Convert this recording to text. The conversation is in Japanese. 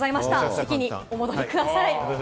席にお戻りください。